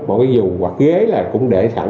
mỗi cái dùm hoặc ghế là cũng để sẵn